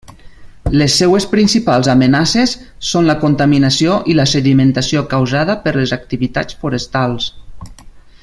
Les seues principals amenaces són la contaminació i la sedimentació causada per les activitats forestals.